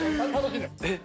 えっ？